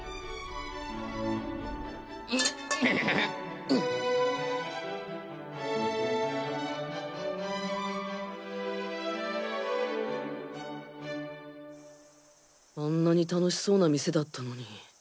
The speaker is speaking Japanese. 現在あんなに楽しそうな店だったのに。